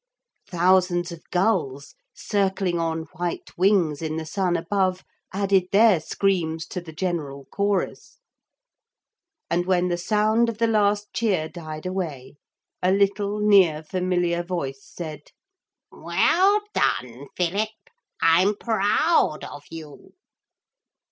Thousands of gulls, circling on white wings in the sun above, added their screams to the general chorus. And when the sound of the last cheer died away, a little near familiar voice said: 'Well done, Philip! I'm proud of you.'